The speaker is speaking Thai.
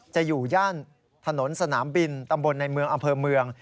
จะอยู่ย่านถนนสนามบินตำบลในเมืองอำเภอเมือง